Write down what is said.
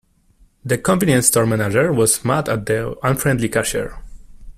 The convenience store manager was mad at the unfriendly cashier.